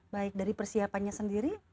baik dari persiapannya sendiri